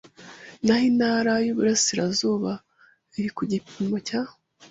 naho intara y Uburasirazuba iri ku gipimo cya